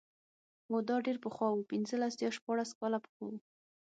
هو دا ډېر پخوا و پنځلس یا شپاړس کاله پخوا و.